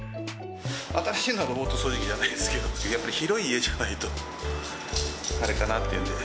新しいのはロボット掃除機じゃないですけど、やっぱり広い家じゃないと、あれかなっていうんで。